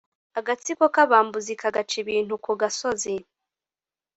agatsiko k’abambuzi kagaca ibintu ku gasozi.